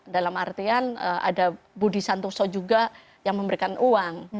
dalam artian ada budi santoso juga yang memberikan uang